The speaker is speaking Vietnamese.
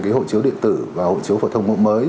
cái hộ chiếu điện tử và hộ chiếu phổ thông hộ mới